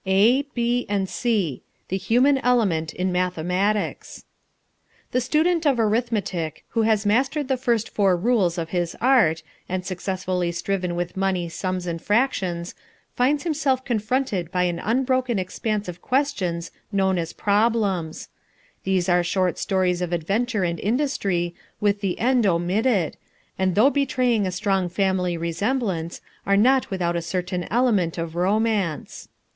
A, B, and C THE HUMAN ELEMENT IN MATHEMATICS The student of arithmetic who has mastered the first four rules of his art, and successfully striven with money sums and fractions, finds himself confronted by an unbroken expanse of questions known as problems. These are short stories of adventure and industry with the end omitted, and though betraying a strong family resemblance, are not without a certain element of romance.